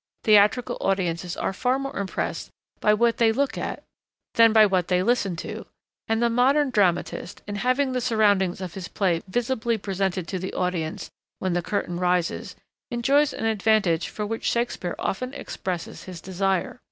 Theatrical audiences are far more impressed by what they look at than by what they listen to; and the modern dramatist, in having the surroundings of his play visibly presented to the audience when the curtain rises, enjoys an advantage for which Shakespeare often expresses his desire.